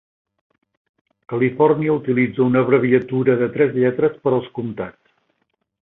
Califòrnia utilitza una abreviatura de tres lletres per als comtats.